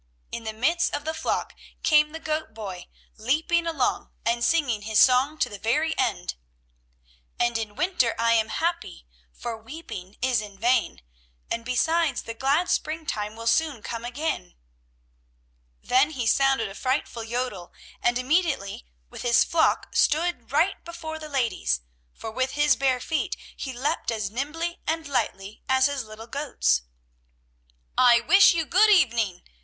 In the midst of the flock came the goat boy leaping along, and singing his song to the very end: "And in winter I am happy, For weeping is in vain, And, besides, the glad springtime Will soon come again." Then he sounded a frightful yodel and immediately with his flock stood right before the ladies, for with his bare feet he leaped as nimbly and lightly as his little goats. "I wish you good evening!"